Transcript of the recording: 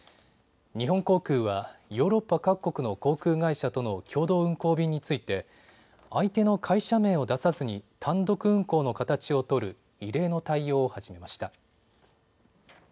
日本航空はヨーロッパ各国の航空会社との共同運航便について相手の会社名を出さずに単独運航の形を取る異例の対応を始めました。